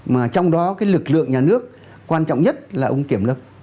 mà trong đó cái lực lượng nhà nước quan trọng nhất là ông kiểm lâm